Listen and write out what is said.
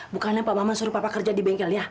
bukannya pak maman suruh papa kerja di bengkelnya